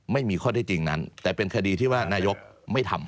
ไม่มีข้อที่จริงนั้นแต่เป็นคดีที่ว่านายกไม่ทำ